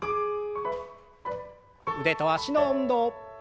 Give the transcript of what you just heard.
腕と脚の運動。